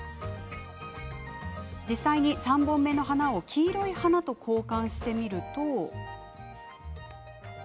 実際に、３本目の花を黄色いお花と交換してみると。